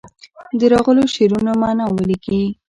د راغلو شعرونو معنا ولیکي.